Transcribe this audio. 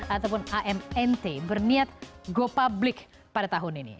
ataupun amnt berniat go public pada tahun ini